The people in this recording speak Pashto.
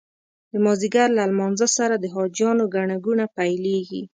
د مازدیګر له لمانځه سره د حاجیانو ګڼه ګوڼه پیلېږي.